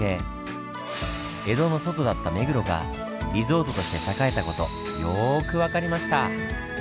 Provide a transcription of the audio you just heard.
江戸の外だった目黒がリゾートとして栄えた事よく分かりました。